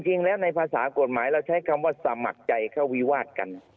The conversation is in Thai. จริงแล้วในภาษากฎหมายเราใช้คำว่าสมัครใจเข้าวิวาดกัน